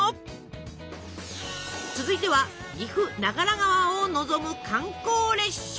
続いては岐阜長良川を望む観光列車。